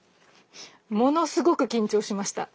ものすごく緊張しました。